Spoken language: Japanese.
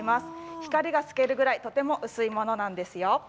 光が透けるぐらい薄いものなんですよ。